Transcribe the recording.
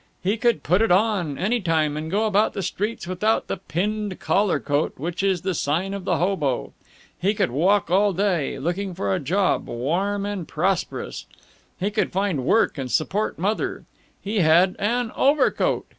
He could put it on, any time, and go about the streets without the pinned coat collar which is the sign of the hobo. He could walk all day, looking for a job warm and prosperous. He could find work and support Mother. He had an overcoat!